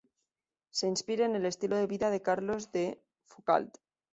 Se inspira en el estilo de vida de Carlos de Foucauld.